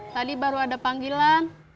tadi baru ada panggilan